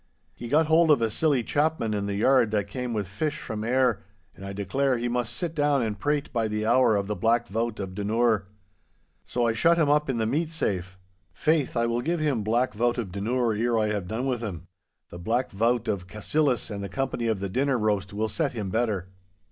He got hold of a silly chapman in the yard that came with fish from Ayr, and I declare he must sit down and prate by the hour of the Black Vaut of Dunure. So I shut him up in the meat safe. Faith, I will give him Black Vaut of Dunure ere I have done with him. The Black Vaut of Cassillis and the company of the dinner roast will set him better.